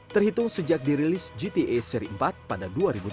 terhitung sejak dirilis gta seri empat pada dua ribu tujuh belas